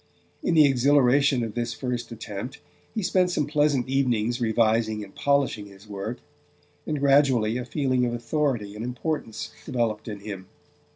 In the exhilaration of this first attempt he spent some pleasant evenings revising and polishing his work; and gradually a feeling of authority and importance developed in him.